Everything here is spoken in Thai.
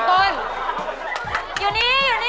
อยู่นี่